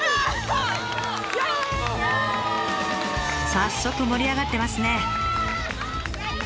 早速盛り上がってますね！